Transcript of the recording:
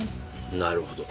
なるほど。